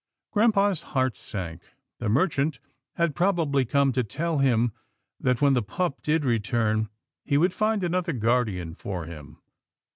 Grampa's heart sank. The merchant had prob ably come to tell him that when the pup did return, he would find another guardian for him.